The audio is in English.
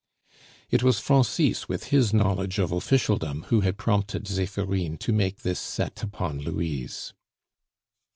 It was Francis, with his knowledge of officialdom, who had prompted Zephirine to make this set upon Louise.